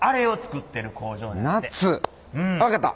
分かった！